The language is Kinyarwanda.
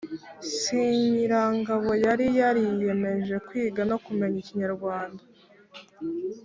Singirankabo yari yariyemeje kwiga no kumenya ikinyarwanda